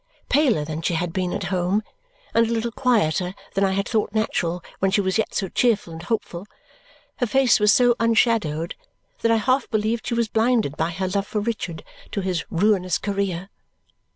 Paler than she had been at home, and a little quieter than I had thought natural when she was yet so cheerful and hopeful, her face was so unshadowed that I half believed she was blinded by her love for Richard to his ruinous career.